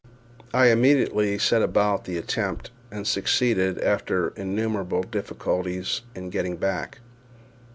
I immediately set about the attempt, and succeeded, after innumerable difficulties, in getting back.